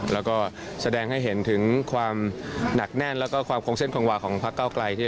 แล้วก็แสดงให้เห็นถึงความหนักแน่นแล้วก็ความคงเส้นคงวาของพักเก้าไกล